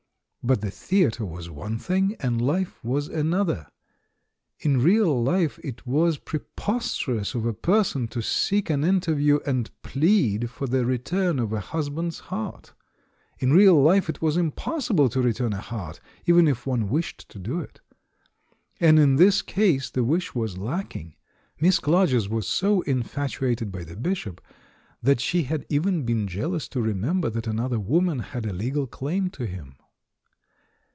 But the the atre was one thing, and life was another. In real life it was preposterous of a person to seek an interview and plead for the return of a husband's heart; in real life it was impossible to return a heart, even if one wished to do it. And in this case, the wish was lacking; Miss Clarges was so infatuated by the Bishop that she had even been jealous to remember that another woman had a legal claim to him.